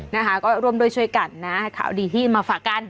นะคะก็ร่วมด้วยช่วยกันนะข่าวดีที่มาฝากกัน